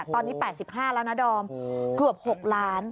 ตอนนี้๘๕แล้วนะดอมเกือบ๖ล้าน